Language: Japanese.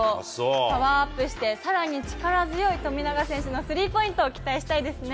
パワーアップして、さらに力強い富永選手のスリーポイントを期待したいですね。